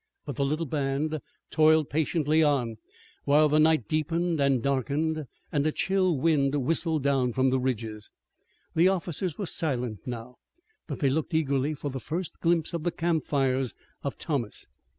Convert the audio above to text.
But the little band toiled patiently on, while the night deepened and darkened, and a chill wind whistled down from the ridges. The officers were silent now, but they looked eagerly for the first glimpse of the campfires of Thomas.